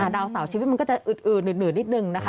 ดาวเสาร์ชีวิตมันก็จะอืดหืดนิดนึงนะคะ